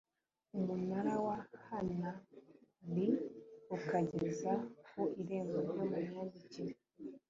munara wa Hanan li ukageza ku irembo ryo mu myandikire